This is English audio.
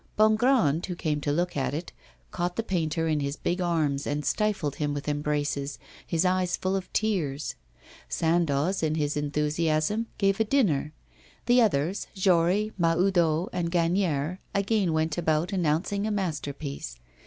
Bongrand, who came to look at it, caught the painter in his big arms, and stifled him with embraces, his eyes full of tears. Sandoz, in his enthusiasm, gave a dinner; the others, Jory, Mahoudeau and Gagnière, again went about announcing a masterpiece.